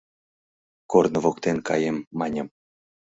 Корно воктен каем, маньым, -